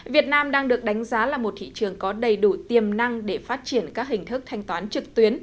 việt nam đang được đánh giá là một thị trường có đầy đủ tiềm năng để phát triển các hình thức thanh toán trực tuyến